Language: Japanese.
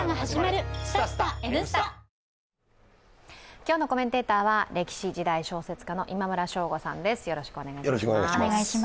今日のコメンテーターは歴史・時代小説家の今村翔吾さんです。